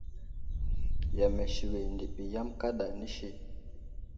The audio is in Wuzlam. Yam asiwi ndiɓi yam kaɗa nəsi.